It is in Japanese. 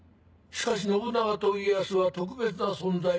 しかし信長と家康は特別な存在。